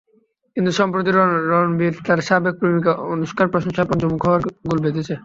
কিন্তু সম্প্রতি রণবীর তাঁর সাবেক প্রেমিকা আনুশকার প্রশংসায় পঞ্চমুখ হওয়ায় গোল বেধেছে।